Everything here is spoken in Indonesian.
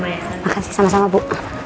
terima kasih sama sama bu